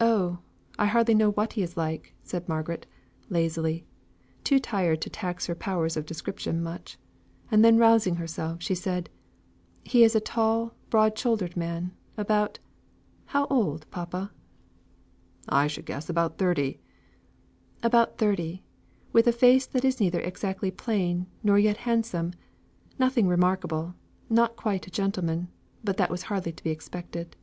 "Oh! I hardly know what he is like," said Margaret, lazily; too tired to tax her powers of description much. And then rousing herself, she said, "He is a tall, broad shouldered man, about how old, papa?" "I should guess about thirty." "About thirty with a face that is neither exactly plain, nor yet handsome, nothing remarkable not quite a gentleman; but that was hardly to be expected."